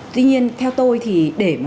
tuy nhiên theo tôi thì để mà